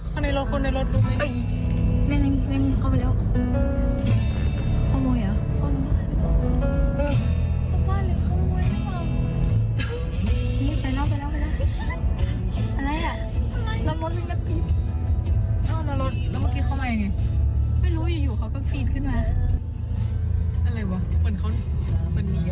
เข้าไปแล้วไม่รู้อยู่เขาก็ขึ้นมาอะไรวะ